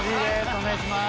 お願いします。